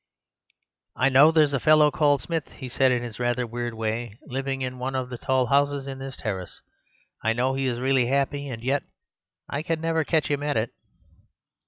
"'I know there's a fellow called Smith,' he said in his rather weird way, 'living in one of the tall houses in this terrace. I know he is really happy, and yet I can never catch him at it.